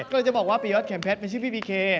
ก็เลยจะบอกว่าปริยวัฒน์เข็มเพชรเป็นชื่อพี่พิเค